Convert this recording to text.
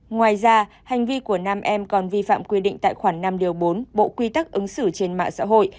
ngoài ra hành vi của nam em còn vi phạm quy định tại khoảng năm điều bốn bộ quy tắc ứng xử trên mạng xã hội